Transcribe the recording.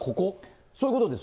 そういうことです。